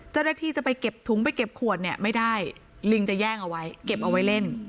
เจ้าหน้าที่จะไปเก็บถุงไปเก็บขวดไม่ได้ลิงจะแย่งเอาไว้เก็บเอาไว้เล่น